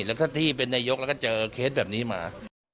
แล้วก็ที่เป็นนายกแล้วก็เจอเคสแบบนี้มา